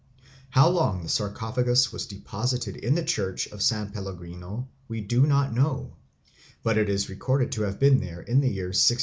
How long the sarcophagus was deposited in the church of San Pellegrino, we do not know; but it is recorded to have been there in the year 1650.